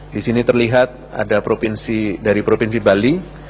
di sini terlihat ada dari provinsi bali